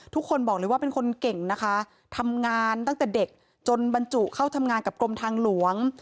ทุกคนบอกเลยว่าเป็นคนเก่งนะคะทำงานตั้งแต่เด็กจนบรรจุเข้าทำงานกับกรมทางหลวง